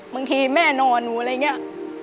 บางทีแม่นอนหนูอะไรอย่างนี้